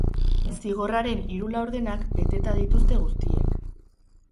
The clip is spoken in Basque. Zigorraren hiru laurdenak beteta dituzte guztiek.